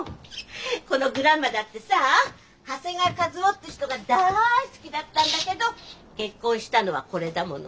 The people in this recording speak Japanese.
このグランマだってさあ長谷川一夫って人がだい好きだったんだけど結婚したのはこれだもの。